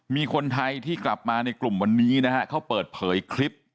มีคนไทยที่กลับมาในกลุ่มวันนี้นะฮะเขาเปิดเผยคลิป